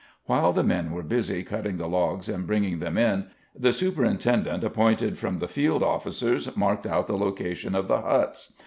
While the men were busy cutting the logs and bringing them in, the superintendent appointed from the field officers marked out the location of the huts.